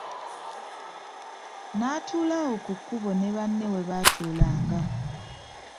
Natuula awo ku kkubo ne banne webaatuulanga.